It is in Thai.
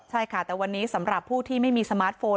ใช่ค่ะแต่วันนี้สำหรับผู้ที่ไม่มีสมาร์ทโฟน